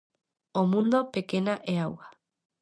O mundo, pequena, é auga.